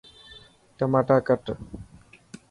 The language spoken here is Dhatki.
ٽماٽا ڪٽ.